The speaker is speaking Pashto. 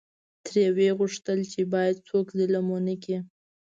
ترې وې غوښتل چې باید څوک ظلم ونکړي.